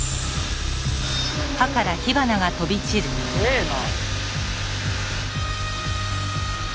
すげえな！